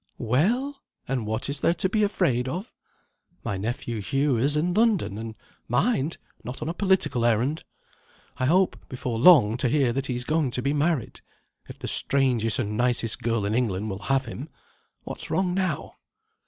"Well? And what is there to be afraid of? My nephew, Hugh, is in London and, mind! not on a political errand. I hope, before long, to hear that he is going to be married if the strangest and nicest girl in England will have him. What's wrong now?"